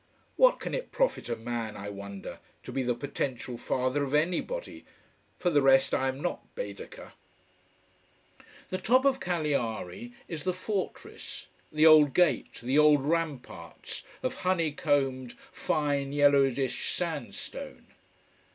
What can it profit a man, I wonder, to be the potential father of anybody! For the rest I am not Baedeker. The top of Cagliari is the fortress: the old gate, the old ramparts, of honey combed, fine yellowish sandstone.